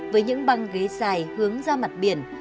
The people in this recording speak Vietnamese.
với những băng ghế dài hướng ra mặt biển